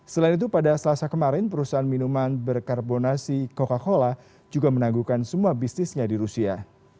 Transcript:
selain itu pada selasa kemarin perusahaan minuman berkarbonasi coca cola juga menanggungkan semua bisnisnya di rusia